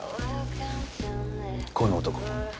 この男。